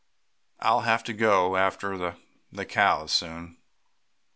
"I'll have to go after the cows soon."